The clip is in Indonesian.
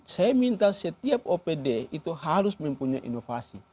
saya minta setiap opd itu harus mempunyai inovasi